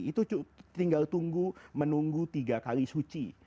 itu tinggal tunggu menunggu tiga kali suci